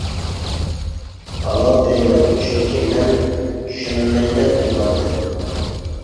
ھالال دەيمەن چۈنكى مەن، چۈشەنمەيمەن ئىماننى.